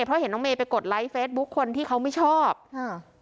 เพราะเห็นน้องเมย์ไปกดไลค์เฟซบุ๊คคนที่เขาไม่ชอบค่ะ